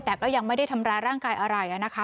แต่ก็ยังไม่ได้ทำร้ายร่างกายอะไรนะคะ